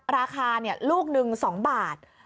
ราคาลูกหนึ่ง๒บาท